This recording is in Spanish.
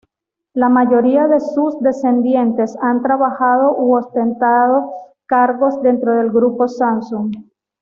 La mayoría de sus descendientes han trabajado u ostentado cargos dentro del grupo Samsung.